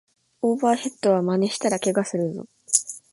オーバーヘッドはまねしたらケガするぞ